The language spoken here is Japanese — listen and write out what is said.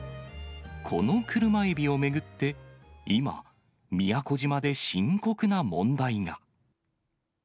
この車エビを巡って、今、宮古島で深刻な問題が。